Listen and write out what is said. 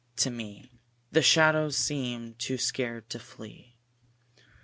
To me The shadows seem too scared to flee.